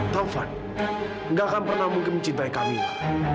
taufan nggak akan pernah mungkin mencintai kamila